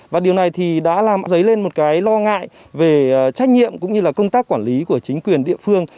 và điều này thì đã làm dấy lên một cái lo ngại về trách nhiệm cũng như là công tác quản lý của chính quyền địa phương